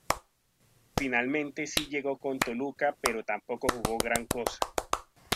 Finalmente sí llegó con Toluca pero tampoco jugó gran cosa.